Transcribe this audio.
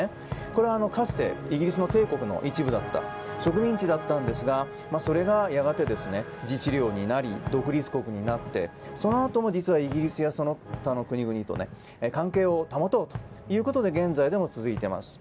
これはかつてイギリスの帝国の一部だった植民地だったんですがそれが、やがて自治領になり独立国になって、そのあとも実はイギリスやその他の国々と関係を保とうということで現在でも続いています。